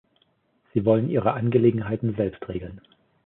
Sie wollen ihre Angelegenheiten selbst regeln.